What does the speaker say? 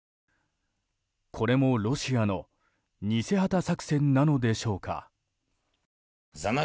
これも、ロシアの偽旗作戦なのでしょうか。